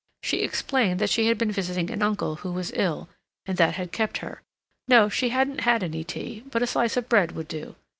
She explained that she had been visiting an uncle who was ill, and that had kept her. No, she hadn't had any tea, but a slice of bread would do.